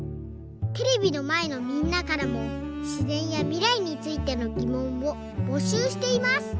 テレビのまえのみんなからもしぜんやみらいについてのぎもんをぼしゅうしています！